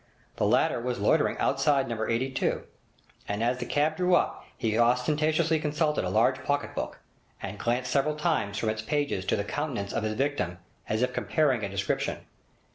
The latter was loitering outside No. 82, and as the cab drew up he ostentatiously consulted a large pocket book, and glanced several times from its pages to the countenance of his victim as if comparing a description.